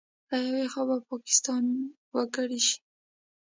له یوې خوا به پاکستان وکړې شي